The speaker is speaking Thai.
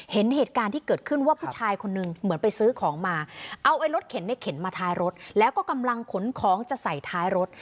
เห็นเหตุการณ์ที่เกิดขึ้นว่าผู้ชายคนนึงเหมือนไปซื้อของมาเอาไอ้รถเข็นเนี่ยเข็นมาท้ายรถแล้วก็กำลังขนของจะใส่ท้ายรถ